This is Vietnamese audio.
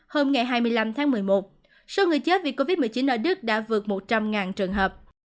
hôm ngày hai mươi năm tháng một mươi một số người chết vì covid một mươi chín ở đức đã vượt một trăm linh trường hợp